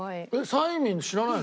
サイミン知らない。